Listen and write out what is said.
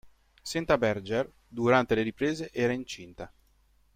Senta Berger durante le riprese era incinta.